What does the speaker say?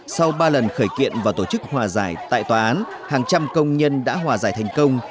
sau ba lần khởi kiện và tổ chức hòa giải tại tòa án hàng trăm công nhân đã hòa giải thành công